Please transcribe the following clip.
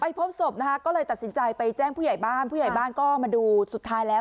พบศพนะคะก็เลยตัดสินใจไปแจ้งผู้ใหญ่บ้านผู้ใหญ่บ้านก็มาดูสุดท้ายแล้ว